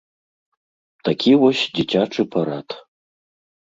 Такі вось дзіцячы парад.